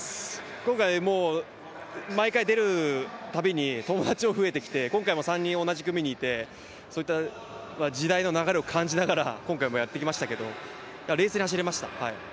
今回、毎回出てくるたびに友達が増えてきて今回も３人同じ組にいて、そういった時代の流れを感じながら今回もやってきましたけど冷静に走れました、はい。